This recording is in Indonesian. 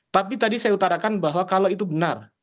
tapi tadi saya utarakan bahwa kalau itu benar